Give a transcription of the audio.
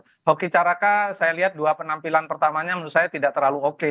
kalau hoki caraka saya lihat dua penampilan pertamanya menurut saya tidak terlalu oke